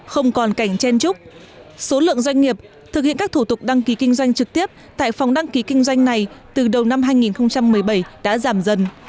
không còn cảnh chen trúc số lượng doanh nghiệp thực hiện các thủ tục đăng ký kinh doanh trực tiếp tại phòng đăng ký kinh doanh này từ đầu năm hai nghìn một mươi bảy đã giảm dần